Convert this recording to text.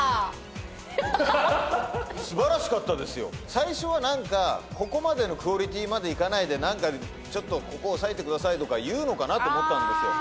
最初は何かここまでのクオリティーまで行かないで何か「ちょっとここ押さえてください」とか言うのかなと思ったんですよ。